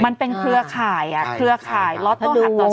มันเป็นเครือข่ายอ่ะเครือข่ายล็อต้อหัดต่อซีโฮง